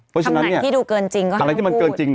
ทำอย่างที่ดูเกินจริงก็ห้ามพูด